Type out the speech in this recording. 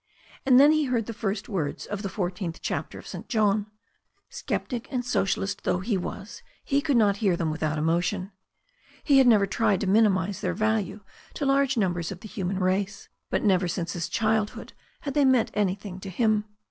And then he heard the first words of the f ~ enth chapter of St. John. Sceptic and Socialist though he was he could not hear them without emotion. He had never tried to minimize their value to large numbers of the human race, but never since his childhood had they meant anything to him.